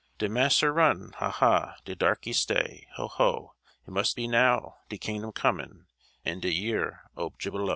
De mass'r run, ha! ha! De darkey stay, ho! ho! It must be now de kingdom comin', An' de year ob Jubilo.